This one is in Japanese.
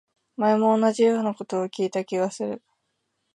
前も同じこと聞いたような気がする